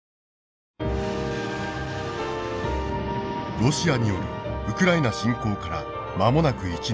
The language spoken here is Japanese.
ロシアによるウクライナ侵攻から間もなく１年。